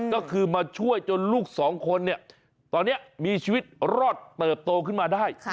ก็คือมาช่วยจนลูกสองคนเนี่ยตอนนี้มีชีวิตรอดเติบโตขึ้นมาได้